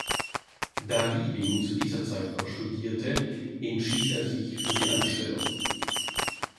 Da Liebing zu dieser Zeit noch studierte, entschied er sich für die Anstellung.